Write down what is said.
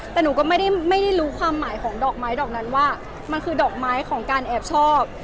แต่หนูก็ไม่ได้รู้ความหมายของดอกไม้ดอกนั้นว่ามันคือดอกไม้ของการแอบชอบ